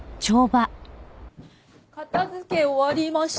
片付け終わりました。